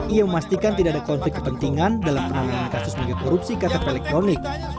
ia memastikan tidak ada konflik kepentingan dalam penanganan kasus mengikut korupsi kata pelek kronik